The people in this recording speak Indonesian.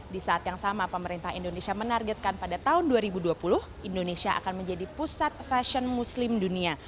di saat yang sama pemerintah indonesia menargetkan pada tahun dua ribu dua puluh indonesia akan menjadi pusat fashion muslim dunia